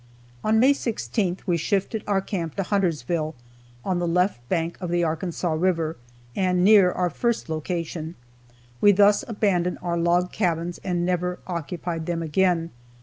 On May 16th we shifted our camp to Huntersville, on the left bank of the Arkansas river, and near our first location. We thus abandoned our log cabins, and never occupied them again.